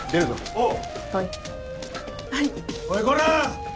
おいこら！